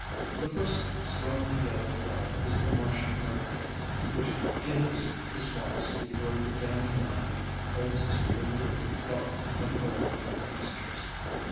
The first strongly yellow flower is the Marsh Marigold, which gilds the swamps before the Dan delion holds its field of the cloth of gold in pastures.